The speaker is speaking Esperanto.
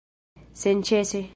Senĉese!